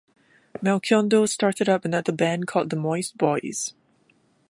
Melchiondo started up another band called the Moistboyz.